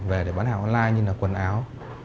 về để bán hàng online như là quần áo